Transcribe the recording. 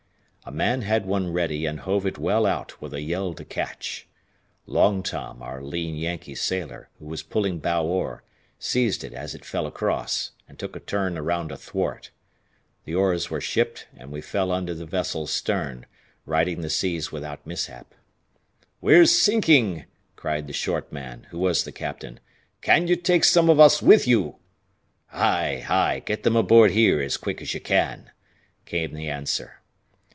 A man had one ready and hove it well out with a yell to catch. Long Tom, our lean Yankee sailor, who was pulling bow oar, seized it as it fell across and took a turn around a thwart. The oars were shipped and we fell under the vessel's stern, riding the seas without mishap. "We're sinking," cried the short man, who was the captain. "Can you take some of us with you?" "Aye, aye; get them aboard here as quick as you can," came the answer.